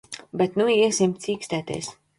Bet nu iesim cīkstēties.